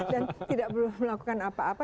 dan tidak perlu melakukan apa apa